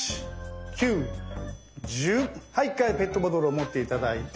はい一回ペットボトルを持って頂いて。